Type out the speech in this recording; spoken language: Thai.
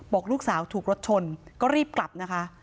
บอกลูกสาวถูกรถชนก็รีบกลับนะคะ